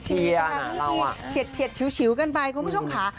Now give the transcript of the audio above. เจี๊ยดชิวกันไปคุณผู้ชมขา